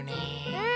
うん。